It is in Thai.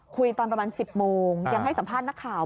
ตอนประมาณ๑๐โมงยังให้สัมภาษณ์นักข่าว